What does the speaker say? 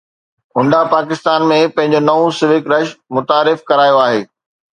Honda Pakistan ۾ پنهنجو نئون Civic rush متعارف ڪرايو آهي